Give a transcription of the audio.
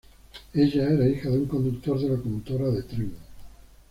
Ella era hija de un conductor de locomotora de tren.